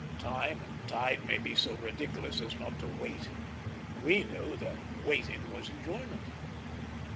Time and tide may be so ridiculous as not to wait; we knew that waiting was enjoyment.